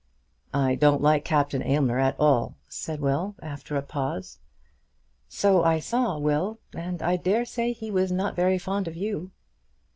"I don't like Captain Aylmer at all," said Will, after a pause. "So I saw Will; and I dare say he was not very fond of you."